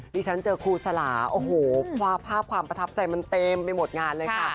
ที่ฉันเจอครูสลาโอ้โหภาพความประทับใจมันเต็มไปหมดงานเลยค่ะ